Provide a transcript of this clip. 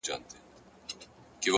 حقیقت خپله لاره خپله جوړوي’